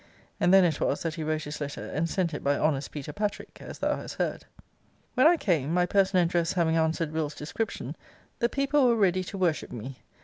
And then it was that he wrote his letter, and sent it by honest Peter Patrick, as thou hast heard.' When I came, my person and dress having answered Will.'s description, the people were ready to worship me.